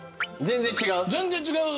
全然違う？